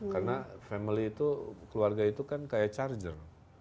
karena family itu keluarga itu kan kayak charger